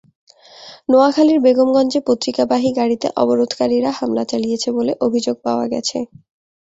নোয়াখালীর বেগমগঞ্জে পত্রিকাবাহী গাড়িতে অবরোধকারীরা হামলা চালিয়েছে বলে অভিযোগ পাওয়া গেছে।